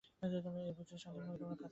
এই বুঝে স্বাধীনভাবে তোমরা কাজ কর।